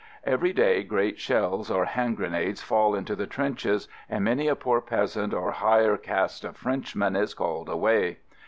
Every day great shells or hand grenades fall into the trenches and many a poor peasant or higher caste of Frenchman is called away.